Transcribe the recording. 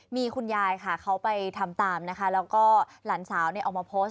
มีคุณยายค่ะเขาไปทำตามนะคะแล้วก็หลานสาวออกมาโพสต์